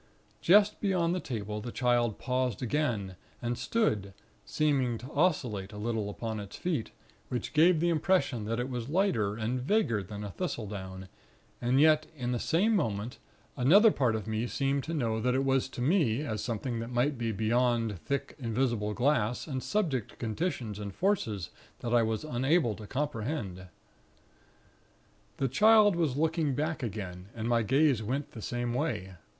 "Just beyond the table, the Child paused again, and stood, seeming to oscillate a little upon its feet, which gave the impression that it was lighter and vaguer than a thistle down; and yet, in the same moment, another part of me seemed to know that it was to me, as something that might be beyond thick, invisible glass, and subject to conditions and forces that I was unable to comprehend. "The Child was looking back again, and my gaze went the same way.